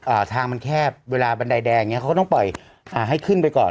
อ่าทางมันแคบเวลาบันไดแดงอย่างเงี้เขาก็ต้องปล่อยอ่าให้ขึ้นไปก่อน